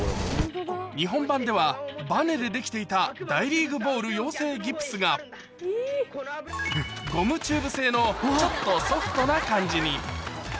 日本版では、ばねで出来ていた大リーグボール養成ギプスが、ゴムチューブ製のちょっとソフトな感じに。